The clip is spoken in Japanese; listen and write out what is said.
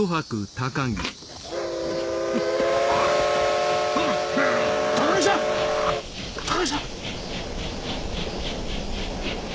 高木さん！